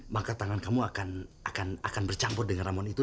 maka tangan kamu akan bercampur dengan ramuan itu